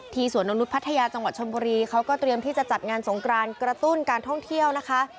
สวนนกนุษยพัทยาจังหวัดชนบุรีเขาก็เตรียมที่จะจัดงานสงกรานกระตุ้นการท่องเที่ยวนะคะ